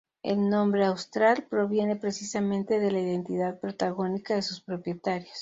El nombre "Austral" proviene precisamente de la identidad patagónica de sus propietarios.